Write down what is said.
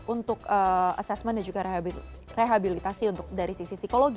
untuk assessment dan juga rehabilitasi untuk dari sisi psikologi